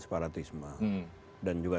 separatisme dan juga